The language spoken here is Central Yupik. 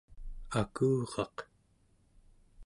akuraq